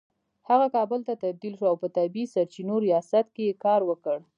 هغه کابل ته تبدیل شو او په طبیعي سرچینو ریاست کې يې کار وکړ